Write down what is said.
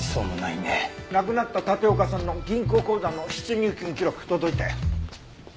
亡くなった立岡さんの銀行口座の出入金記録届いたよ。